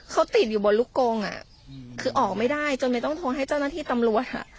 เขาติดอยู่บนลูกกงอ่ะคือออกไม่ได้จนไม่ต้องโทรให้เจ้าหน้าที่ตำรวจ